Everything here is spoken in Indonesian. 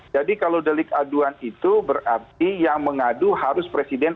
jadi kalau delik aduan itu berarti yang mengadu harus presiden